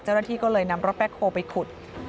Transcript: เจ้าหน้าที่ก็เลยนำรถแบ็คโฮลไปขุด